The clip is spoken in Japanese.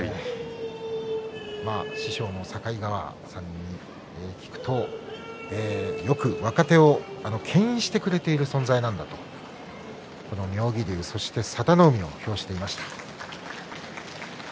師匠の境川さんに聞くとよく若手をけん引してくれている存在なんだと妙義龍、佐田の海を評していました。